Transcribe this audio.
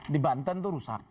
di banten itu rusak